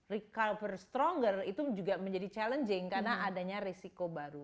recover stronger itu juga menjadi challenging karena adanya resiko baru